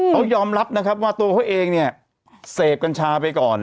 เขายอมรับนะครับว่าตัวเขาเองเนี่ยเสพกัญชาไปก่อน